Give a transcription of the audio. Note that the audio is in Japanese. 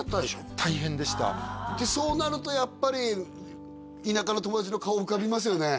大変でしたでそうなるとやっぱり田舎の友達の顔浮かびますよね